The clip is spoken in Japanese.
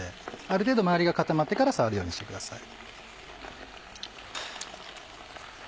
ある程度周りが固まってから触るようにしてください。